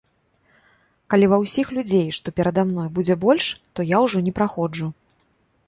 Калі ва ўсіх людзей, што перада мной, будзе больш, то я ўжо не праходжу.